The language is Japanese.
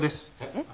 えっ？